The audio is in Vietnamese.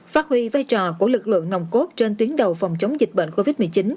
phát huy vai trò của lực lượng nồng cốt trên tuyến đầu phòng chống dịch bệnh covid một mươi chín